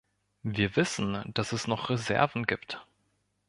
Wir wissen, dass es noch Reserven gibt.